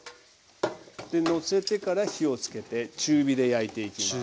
のせてから火をつけて中火で焼いていきます。